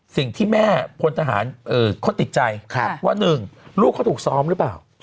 สิ่งที่แม่พลทหารเขาติดใจว่า๑ลูกเขาถูกซ้อมหรือเปล่า